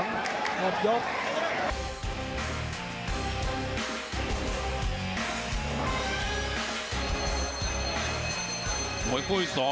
โหโหโห